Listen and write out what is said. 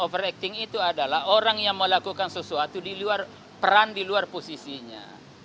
over acting itu adalah orang yang melakukan sesuatu di luar peran di luar posisinya